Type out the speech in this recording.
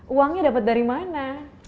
uangnya dapat dari mana